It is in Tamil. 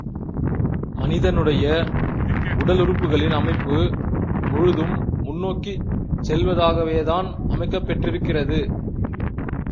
மனிதனுடைய உடலுறுப்புகளின் அமைப்பு முழுதும் முன்னோக்கிச் செல்வதாகவேதான் அமைக்கப் பெற்றிருக்கிறது.